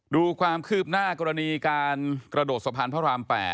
ดูความคืบหน้ากรณีการกระโดดสะพานพระราม๘